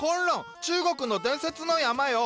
中国の伝説の山よ。